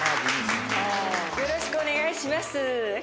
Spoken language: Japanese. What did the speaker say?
よろしくお願いします。